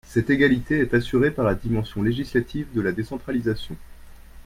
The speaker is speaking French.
Cette égalité est assurée par la dimension législative de la décentralisation.